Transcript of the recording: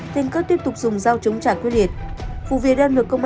tên cướp tiếp tục dùng dao chống trả quyết liệt